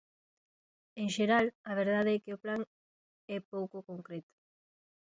En xeral, a verdade é que o plan é pouco concreto.